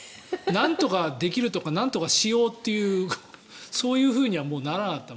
なんとかできるとかなんかしようっていうそういうふうにはもうならなかった。